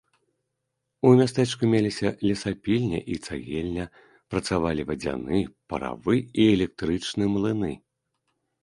У мястэчку меліся лесапільня і цагельня, працавалі вадзяны, паравы і электрычны млыны.